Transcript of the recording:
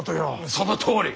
そのとおり！